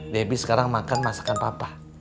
debbie sekarang makan masakan papa